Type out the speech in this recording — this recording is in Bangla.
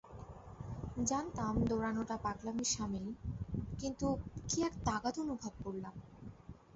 জানতাম দৌড়ানোটা পাগলামির সামিল, কিন্তু কি এক তাগাদা অনুভব করলাম।